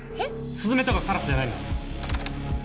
スズメとかカラスじゃないな。